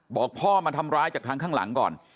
บอกพ่อมาทำร้ายจากทางข้างหลังก่อน